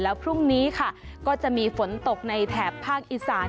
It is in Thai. แล้วพรุ่งนี้ค่ะก็จะมีฝนตกในแถบภาคอีสาน